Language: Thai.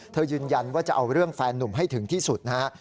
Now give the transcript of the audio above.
ยืนยันว่าจะเอาเรื่องแฟนนุ่มให้ถึงที่สุดนะฮะ